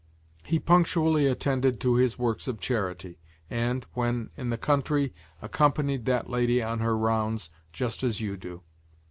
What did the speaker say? He punctually attended to his works of charity and, when in the country, accompanied that lady on her visits, just as you do.